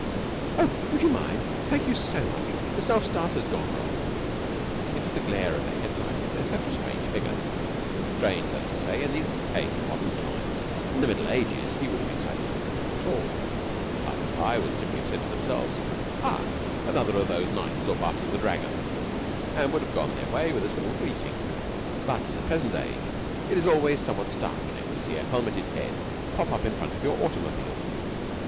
"Oh, would you mind? Thank you so much. The self starter has gone wrong." Into the glare of the head lights there stepped a strange figure, strange, that is to say, in these tame modern times. In the Middle Ages he would have excited no comment at all. Passers by would simply have said to themselves, "Ah, another of those knights off after the dragons!" and would have gone on their way with a civil greeting. But in the present age it is always somewhat startling to see a helmeted head pop up in front of your automobile.